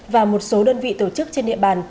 và một số đơn vị tổ chức trên địa bàn